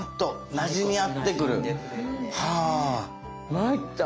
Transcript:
まいった。